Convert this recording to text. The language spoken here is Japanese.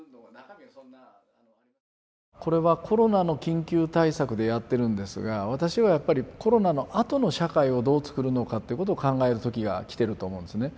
これはコロナの緊急対策でやってるんですが私はやっぱりコロナのあとの社会をどうつくるのかっていうことを考える時が来てると思うんですね。